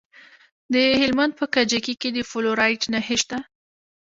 د هلمند په کجکي کې د فلورایټ نښې شته.